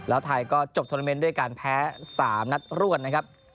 แล้วไทยก็จบโทรเมนต์ด้วยการแพ้๓นัดรวดนะครับ